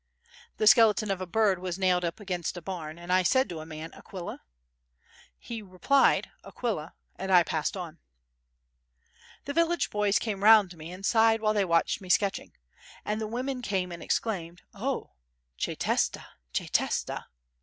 The skeleton of a bird was nailed up against a barn, and I said to a man: "Aquila?" He replied: "Aquila," and I passed on. The village boys came round me and sighed while they watched me sketching. And the women came and exclaimed: "Oh! che testa, che testa!"